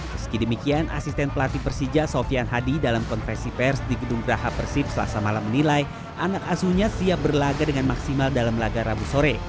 meski demikian asisten pelatih persija sofian hadi dalam konfesi pers di gedung graha persib selasa malam menilai anak asuhnya siap berlaga dengan maksimal dalam laga rabu sore